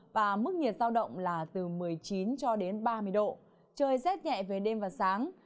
và mức nhiệt giao động là từ một mươi chín cho đến ba mươi độ trời rét nhẹ về đêm và sáng